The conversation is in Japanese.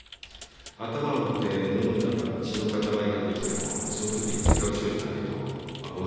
頭を打って脳の中に血の塊ができてもそのときに自覚症状がないと放置してしまうでしょ？